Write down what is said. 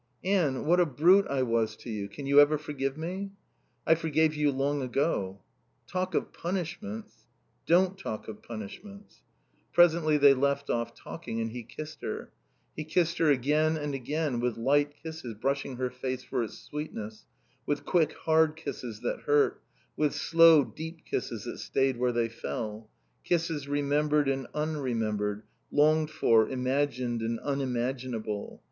"Anne, what a brute I was to you. Can you ever forgive me?" "I forgave you long ago." "Talk of punishments " "Don't talk of punishments." Presently they left off talking, and he kissed her. He kissed her again and again, with light kisses brushing her face for its sweetness, with quick, hard kisses that hurt, with slow, deep kisses that stayed where they fell; kisses remembered and unremembered, longed for, imagined and unimaginable.